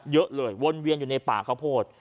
เยอะเลยวนเวียนอยู่ในป่าข้าวโพด